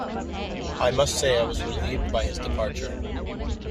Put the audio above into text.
I must say I was relieved by his departure.